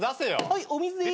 はいお水です。